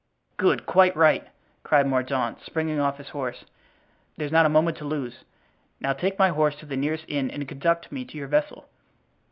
"Good, quite right!" cried Mordaunt, springing off his horse. "There's not a moment to lose; now take my horse to the nearest inn and conduct me to your vessel."